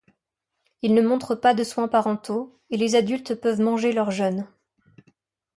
Ils ne montrent pas de soins parentaux, et les adultes peuvent manger leurs jeunes.